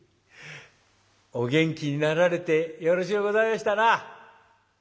お元気になられてよろしゅうございましたな！